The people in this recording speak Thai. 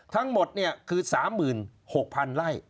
ทั้งหมดคือ๓๖๐๐๐ไร่